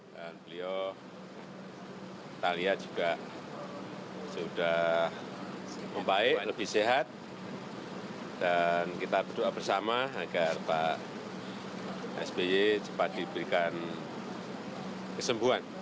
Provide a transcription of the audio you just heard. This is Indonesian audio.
beliau kita lihat juga sudah membaik lebih sehat dan kita berdoa bersama agar pak sby cepat diberikan kesembuhan